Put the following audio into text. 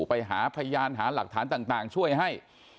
ไปหาพยานหาหลักฐานต่างช่วยให้